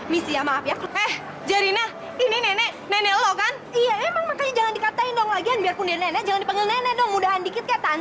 maaf ya ini nenek nenek lo kan iya emang nenek dong mudah mudahan